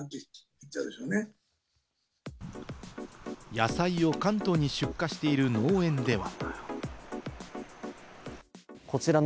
野菜を関東に出荷している農園では。